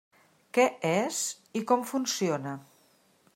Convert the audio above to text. Què és i com funciona.